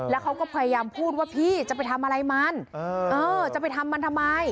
แล้วเขาก็พยายามพูดว่าพี่จะไปทำอะไรมันจะไปทำมันทำไม